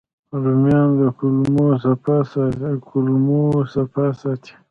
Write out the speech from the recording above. رومیان د کولمو صفا ساتي